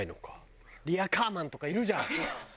リヤカーマンとかいるじゃん。